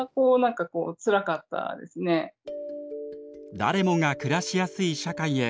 誰もが暮らしやすい社会へ。